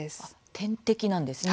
点滴なんですね。